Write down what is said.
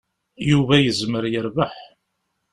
Yuba yezmer yerbeḥ.